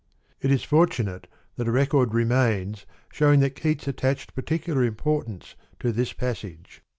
It is fortunate that a record remains showing that Keats attached particular importance to this passage.